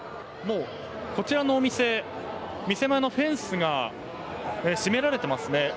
こちらのお店、店前のフェンスが閉められていますね。